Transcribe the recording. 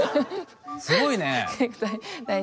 すごいね。